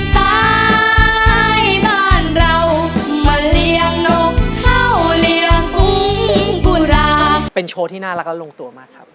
ตายบ้านเรามาเลี้ยงนกข้าวเลี้ยงกุ้งโบราณเป็นโชว์ที่น่ารักและลงตัวมากครับ